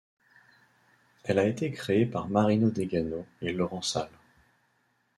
Elle a été créée par Marino Degano et Laurent Salles.